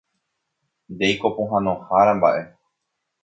Ndéiko pohãnohára mbaʼe.